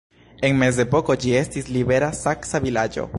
En mezepoko ĝi estis libera saksa vilaĝo.